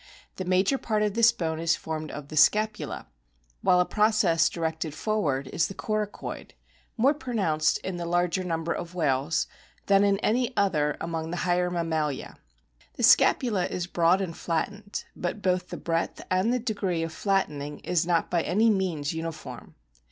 The major part of this bone is formed of the scapula, while a process directed forward is the coracoid, more pronounced in the larger number of whales than in any other among the higher mammalia. The scapula is broad and flattened, but both the breadth and the degree of flattening is not by any means uniform.